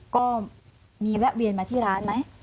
ก็มีแวะเวียนมาที่ร้านไหม